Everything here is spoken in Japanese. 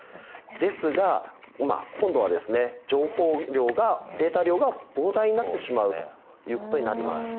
ですが今度は情報量がデータ量が膨大になってしまうということになります。